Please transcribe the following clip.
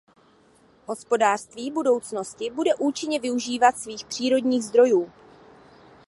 Hospodářství budoucnosti bude účinně využívat svých přírodních zdrojů.